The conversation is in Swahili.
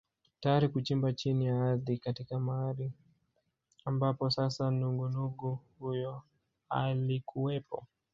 Tayari kuchimba chini ya ardhi katika mahali ambapo sasa nungunungu huyo alikuwepo